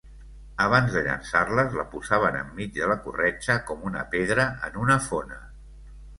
Abans de llançar-les la posaven enmig de la corretja com una pedra en una fona.